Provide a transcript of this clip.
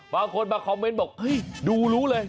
บางคนมาคอมเมนต์บอกเฮ้ยดูรู้เลย